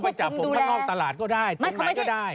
ไปจับผมข้างนอกตลาดก็ได้ตรงไหนก็ได้